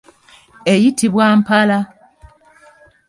Eyitibwa mpala.